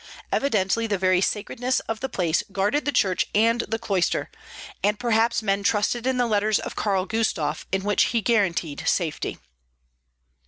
Evidently the very sacredness of the place guarded the church and the cloister, and perhaps men trusted in the letters of Karl Gustav in which he guaranteed safety.